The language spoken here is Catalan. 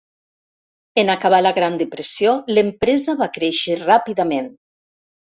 En acabar la Gran Depressió, l'empresa va créixer ràpidament.